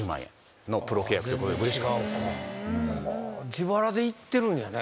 自腹で行ってるんやね。